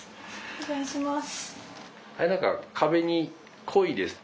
お願いします。